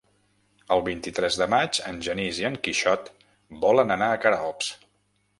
El vint-i-tres de maig en Genís i en Quixot volen anar a Queralbs.